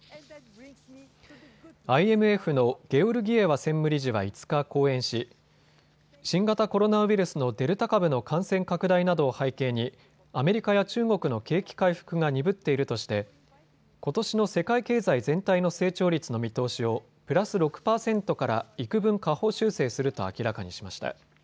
ＩＭＦのゲオルギエワ専務理事は５日、講演し新型コロナウイルスのデルタ株の感染拡大などを背景にアメリカや中国の景気回復が鈍っているとしてことしの世界経済全体の成長率の見通しをプラス６％からいくぶん下方修正すると明らかにしました。